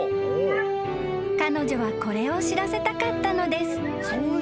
［彼女はこれを知らせたかったのです］